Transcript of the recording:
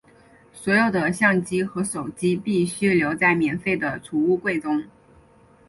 所有的相机和手机必须留在免费的储物柜中。